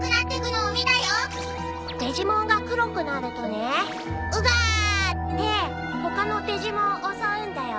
デジモンが黒くなるとねウガーッ！って他のデジモン襲うんだよ。